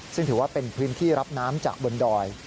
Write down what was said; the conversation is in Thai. ซึ่งถือว่าเป็นพื้นที่รับน้ำจากบนดอย